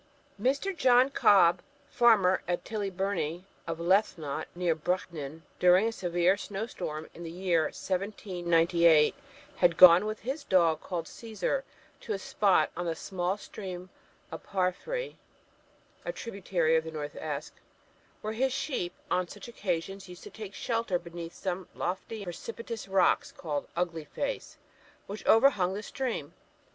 Mr. John Cobb, farmer at Tillybirnie, parish of Lethnot, near Brechin, during a severe snow storm in the year 1798, had gone with his dog, called Cæsar, to a spot on the small stream of Paphry (a tributary of the North Esk), where his sheep on such occasions used to take shelter beneath some lofty and precipitous rocks called Ugly Face, which overhung the stream.